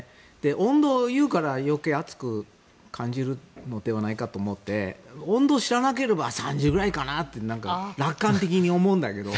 温度を言うから、余計暑く感じるのではないかと思って温度を知らなければ３０度ぐらいかなって楽観的に思うんだけれど。